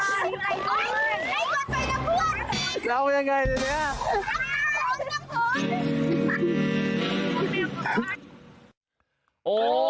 สมัครข่าวเด็ก